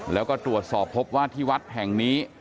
แล้วก็ตรวจสอบพบว่าที่วัดแห่งนี้